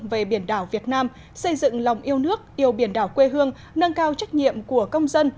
về biển đảo việt nam xây dựng lòng yêu nước yêu biển đảo quê hương nâng cao trách nhiệm của công dân